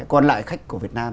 còn lại khách của việt nam